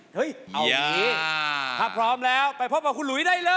ถ้าพร้อมแล้วไปพบกับคุณหลุยได้เลย